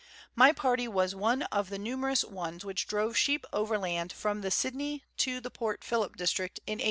My party was one of the numerous ones which drove sheep overland from the Sydney to the Port Phillip district in 1838.